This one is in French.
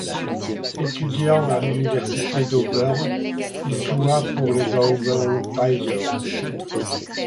Étudiant à l'Université d'Auburn, il joua pour les Auburn Tigers.